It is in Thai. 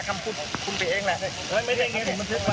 คำคุณคุณเองแหละเอ้วยไม่ได้ง่ายทุ่มมันทั่งไว้เอาจริงคุณ